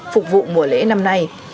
phục vụ mùa lễ năm nay